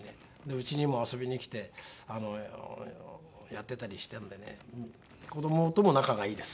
うちにも遊びに来てやってたりしてるんでね子どもとも仲がいいです。